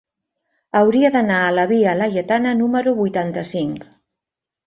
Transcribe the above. Hauria d'anar a la via Laietana número vuitanta-cinc.